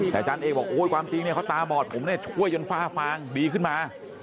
แต่อาจารย์เอกบอกโอ้ยความจริงเนี่ยเขาตาบอดผมเนี่ยช่วยจนฝ้าฟางดีขึ้นมา